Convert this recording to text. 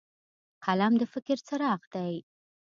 قلم د فکر څراغ دی